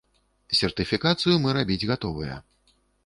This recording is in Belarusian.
Сертыфікацыю мы рабіць гатовыя.